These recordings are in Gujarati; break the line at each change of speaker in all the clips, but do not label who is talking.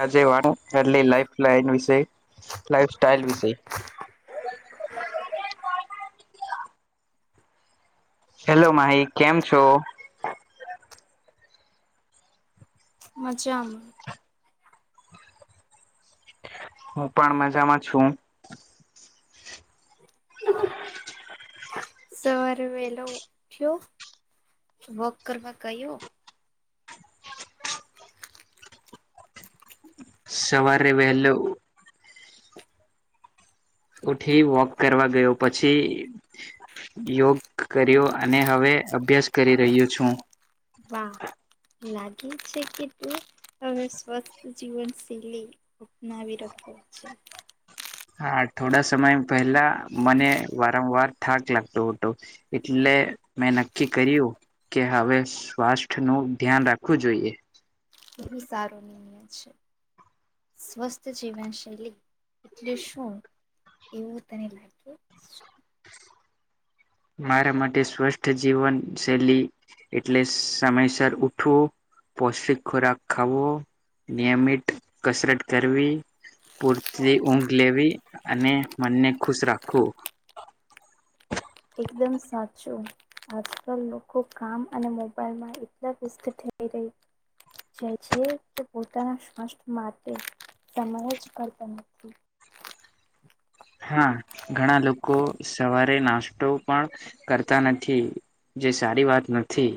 રાજેવાન હેલી લાાઈફલાઇન વિશે લાાઈફ સ્ટાાઈલ વિશે. હેલો માહી કેમ છો.
મજામાં.
હું પણ મજામાં છું. [inaudible]
સવારે વેલો ઉઠ્યો વોકરમાં કયો.
સવારે વહેલો. ઉઠી વોક કરવા ગયો પછી. યોગ કર્યો અને હવે અભ્યાસ કરી રહ્યું છું.
વા. લાગે છે કે તું તમે સ્વસ્થ જીવનશૈલી. અનાવી રખો છે.
હા થોડા સમય પહેલા મને વારંવાર થાક લાગતો હતો. એટલે મેં નક્કી કર્યું. કે હવે સ્વાસ્થ્યનું ધ્યાન રાખવું જોઈએ.
બુ સારો નિર્ણય છે સ્વસ્થ જીવન શૈલી. એટલે શું એવું તને લાગે છે.
મારા માટે સ્વસ્થ જીવન શૈલી એટલે સમયસર ઉઠવો પૌષ્ટિક ખોરાક ખાવો પૂરતી ઊંઘ લેવી અને મનને ખુશ રાખવું
એકદમ સાચું આજકાલ લોકો કામ અને મોબાઈલમાં એટલા વ્યસ્ત થઈ ર્યા જાય છે તે પોતાના સ્ષથ માટે સમય જ કરતો નથી
હા ઘણા લોકો સવારે નાસ્તો પણ કરતા નથી જે સારી વાત નથી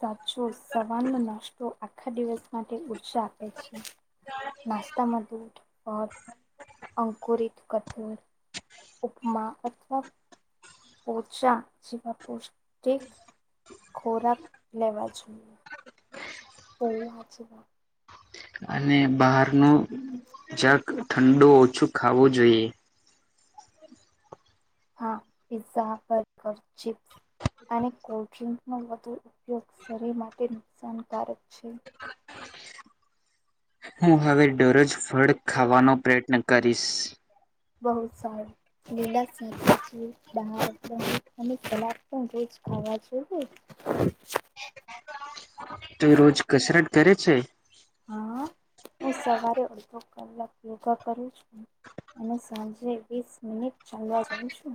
સાચો સવારનો નાસ્તો આખા દિવસ માટે ઊર્જા આપે છે નાસ્તામાંધર અંકરિત કઠોર ઉપમા અથવા પોચા જેવા પૌષ્ટિક ખોરાક લેવા જોઈએ તો વા છેી વાત
અને બહાર ન જક ઠંડુ ઓછું ખાવું જોઈએ
હા પિ્ઝા બર્ગર ચિપ્સ અને કોલ્ડ્રિંકનો વધુ ઉપયોગ શરીર માટે નુકસાનકારક છે
હું હવે દરોજ ફળ ખાવાનો પ્રયત્ન કરીશ
બહુત સારું લીલા કલાક પણ રોજ ખાવાએ હા
તો એ રોજ કસરત કરે છે
હા હું સવારે અડધો કલાક યોગા કરીું છ અને સાંજે વીસ મિનિટ ચાલવા જાઉ છું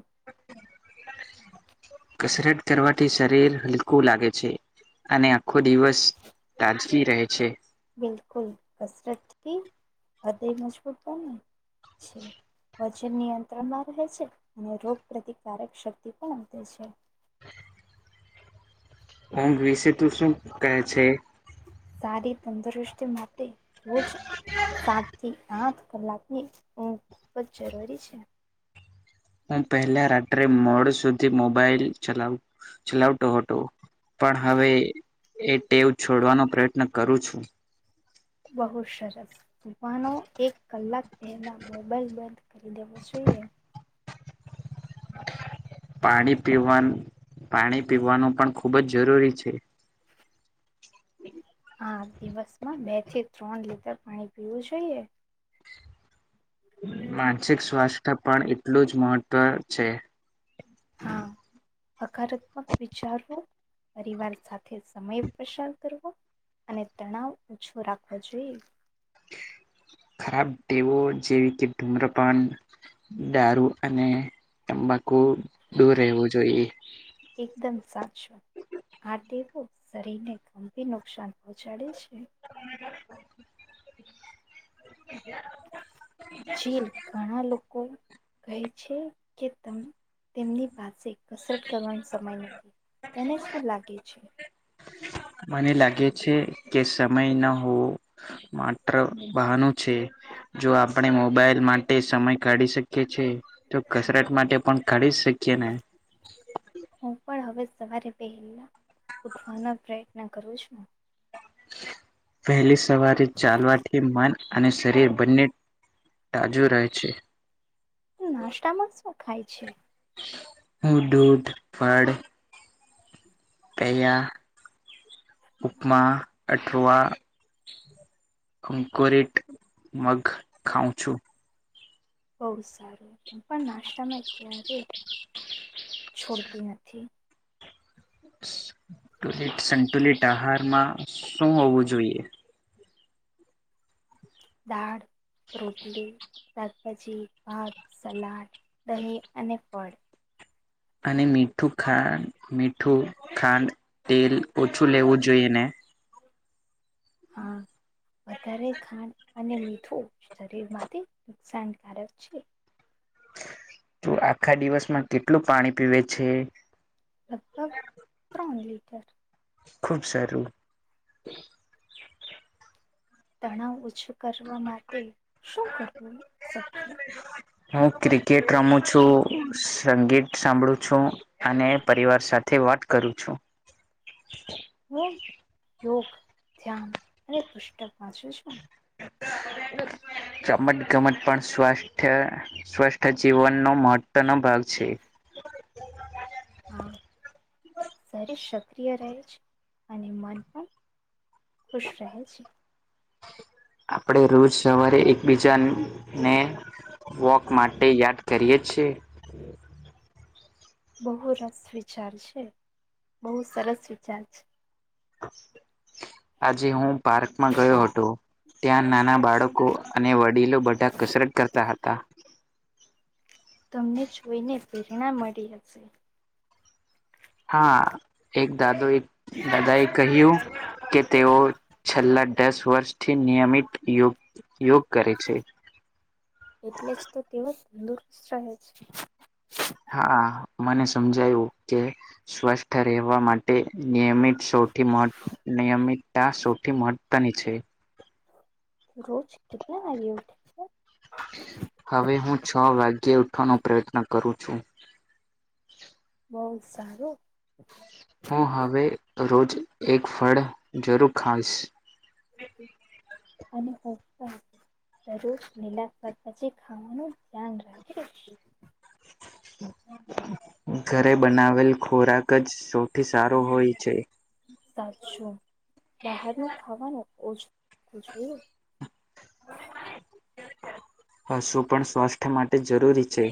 કસરત કરવાથી શરીર હલકું લાગે છે અને આખો દિવસ તાજવી રહે છે
બિલકુલ કસરતથી હૃદય મજબૂત બને છે વજન નિયંત્રણમાં રહે છે અને રોગ પ્રતિકારક શક્તિ પણ વધે છે
ંઘ વિશે તું શું કહે છે
સારી તંદુરુસ્તી માટે રોજ સાત થી આઠ કલાકની ઊંઘ ખુબ જ જરૂરી છે
હું પહેલા રાત્રે મોડ સુધી મોબાઈલ ચલાવ ચલાવતો હતો પણ હવે એ ટેવ છોડવાનો પ્રયત્ન કરું છું
બહુ સરસ સુફનો એક કલાક પહેલાં મોબાઈલ બંધ કરી દેવો જોઈએ
પાણી પીવા પાણી પીવાનું પણ ખૂબ જ જરૂરી છે હમ
હા દિવસમાં બે થી ત્રણ લીટર પાણી પીવું જોઈએ
માનસિક સ્વાસ્થ્ય પણ એટલું જ મહત્વ છે
હા હકારાત્મક વિચારવો પરિવાર સાથે સમય પસાર કરવો અને તણાવ ઓછો રાખવો જોઈએ
ખરાબ દેવો જેવી કે ધૂમ્રપાન દારૂ અને તંબાકુ દૂર રહેવું જોઈએ
એકદમ સાચું આ ટેવો શરીરને ગંભીર નુકસાન પહોંચાડે છે
હ
ચીન ઘણા લોકો કહે છે કે તેમની પાસે કસરત કરવાનો સમય નથી તને શું લાગે છે
મને લાગે છે કે સમય ના હોવો માત્ર બહનું છે જો આપણે મોબાઈલ માટે સમય કાઢી શકીએ છે તો કસરત માટે પણ કાઢી શકીએ ને
હું પણ હવે સવારે પહેલા ઉઠવાનો પ્રયત્ન કરું છું
વહેલી સવારી ચાલવાથી મન અને શરીર બંને તાજુ રહે છે
નાસ્તા માં શું ખાય છે
હું દૂધ ફળ પયા ઉપમા અઠઆ અંકોરેટ મગ ખાઉં છું
બહુ સારું હ પણ નાસ્તામાં ક્યારેય છોડતી નથી
ુલ સંતુલિત આહારમાં શું હોવું જોઈએ
દાળ રોટલી શાકભાજી ભાત સલાદ દહીં અને ફળ
અને મીઠું ખાંડ મીઠું ખાંડ તેલ ઓછું લેવું જોઈએ ને
હા વધારે ખાંડ અને મીઠું શરીર માંથી નુકસાનકારક છે
તો આખા દિવસમાં કેટલું પાણી પીવે છે
લગભગ ત્રણ લીટર
ખૂબ સારું
તણાવ ઓછો કરવા માટે શું કરવું શકીએ
હું ક્રિકેટ રમું છું સંગીત સાંભળું છું અને પરિવાર સાથે વાત કરું છું
હું યોગ ધ્યાન અને પુષક વાંચું છું
ચમત ગમત પણ સ્વસ્થ સ્વષઠ જીવનનોો મહત્વનોો ભાગ છે
હા સર સક્રિય રહે છે અને મન પણ ખુશ રહે છે
આપણે રોજ સવારે એકબીજાને વોક માટે યાદ કરીએેીએ હ
બહુ રસ વિચાર છે બહુ સરસ વિચાર છે
આજે હું પાર્કમાં ગયો હતો ત્યાં નાના બાળકો અને વડીલો બધા કસરત કરતા હતા
તમને જોઈને પ્રેરણા મળી હશે
હા એક દાદો એક દાદા એ કહ્યું કે તેઓ છેલ્લા દસ વર્ષ થી નિયમિત ગ યોગ કરે છે
એટલે જ તો તેઓ જ તંદુરસ્ત રહે છે
હા મને સમજાયું કે સ્વસ્થ રહેવા માટે નિયમિત સૌથી નિયમિતતા સૌથી મહત્વની છે
રોજ કેટલા વાાગ્યા ઉઠ
હવે હું છ વાગ્યે ઉઠવાનો પ્રયત્ન કરું છું
બહુ સારું
હું હવે રોજ એક ફળ જરૂર ખાવશ
અને દરરોજ લીલાશવાદ પછી ખાવાનું ધ્યાન રાખીશ
[unintelligible] ઘરે બનાવેલ ખોરાક જ સૌથી સારો હોય છે
સાચું બહાર ન ખાવાનું ઓછું જોયું
હ શું પણ સ્વાસ્થ્ય માટે જરૂરી છે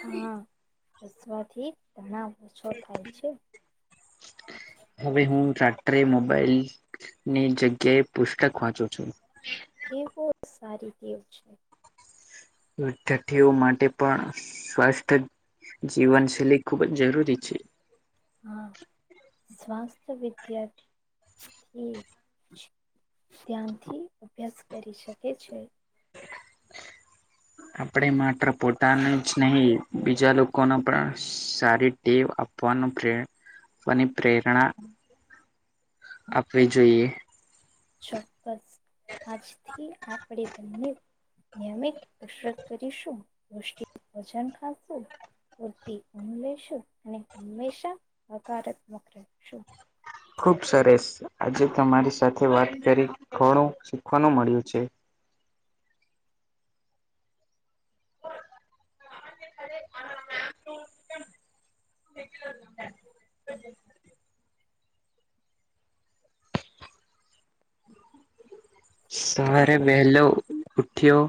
હા હસવાથી ત ઓછો થાય છે
[unintelligible] હવે હું રાત્ર્ટે મોબાઈલ ની જગ્યાએ પુસ્તક વાંચું છું
એ બહ સારી દીવ છે
વિદ્યાર્થીઓ માટે પણ સ્વાસ્થ્ય જીવનશૈલી ખૂબ જ જરૂરી છે
હા સ્વાસ્થ્ય વિદ્યથીથી ધ્યાનથી અભ્યાસ કરી શકે છે
આપણે માત્ર પોતાનું જ નહી બીજા લોકો ન પણ સારી દેવ આપવાનો પ્રે આપવાની પ્રેરણા આપે જોઈએ
ચોક્કસ આજથી આપણેે બંને નિયમિત કસરત કરીશું પષ્ટ વજન ખાશું પૂરતિ લશું અને હંમેશા હકારાત્મક રહેખશું
ખુબ સરસ આજે તમારી સાથે વાત કરી ઘણું શીખવાનું મળ્યું છે [unintelligible] [unintelligible] સવારે વેહેલો ઉઠ્યો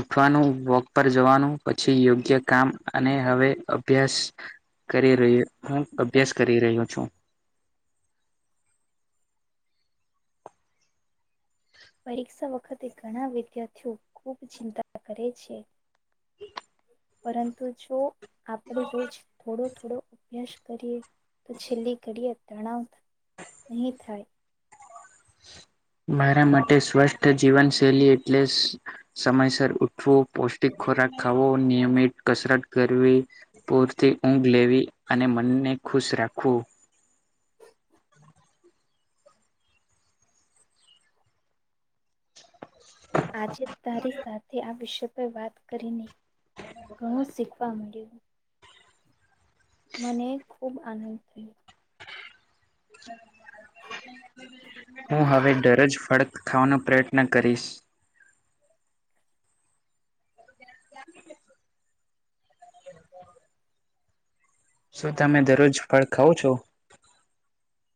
ઉઠવાનું વોક પર જવાનું પછી યોગ્ય કામ અને હવે અભ્યાસ કરી રહ હું અભ્યાસ કરી રહ્યો છું
પરીક્ષા વખતે ઘણા વિદ્યાર્થીઓ ખુબ ચિંતા કરે છે પરંતુ જો આપણે રોજ થોડો થોડો અભ્યાસ કરીએ તો છેલ્લી ઘડીએ તણાવ નહીં થાય
મારા માટે સ્વષ્ઠ જીવનશૈલી એટલે સમયસર ઉઠવું પૌષ્ટિક ખોરાક ખાવો નિયમિત કસરત કરવી પૂરતી ઊંઘ લેવી અને મનને ખુશ રાખવું
આજે તારી સાથે આ વિષય પર વાત કરીનેહી ઘણું શીખવા મળ્યું મને ખૂબ આનંદ થયો
હું હવે દરજ ફળ ખાવાનો પ્રયત્ન કરીશ [unintelligible] શું તમે દરરોજ ફળ ખાવ છો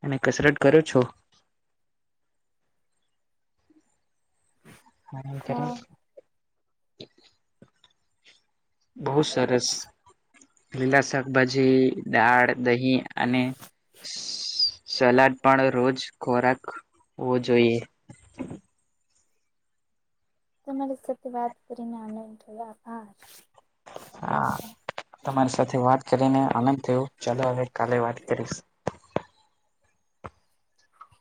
અને કસરત કરો છો
હા
[unintelligible] બહુ સરસ લીલા શાકભાજી દાળ દહીં અને સલાડ પણ રોજ ખોરાક હોવો જોઈએ
તમારી સાથે વાત કરીને આનંદ રહયો આભાર
હા તમારી સાથે વાત કરીને આનંદ થયો ચાલો હવે કાલે વાત કરીશું
હ